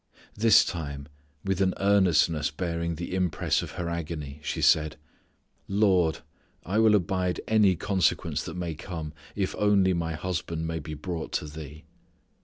This time with an earnestness bearing the impress of her agony she said, "Lord, I will abide any consequence that may come if only my husband may be brought to Thee."